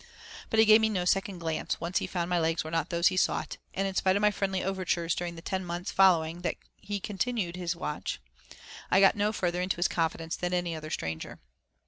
But he gave me no second glance, once he found my legs were not those he sought, and in spite of my friendly overtures during the ten months following that he continued his watch. I got no farther into his confidence than any other stranger.